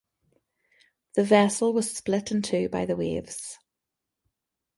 The vessel was split in two by the waves.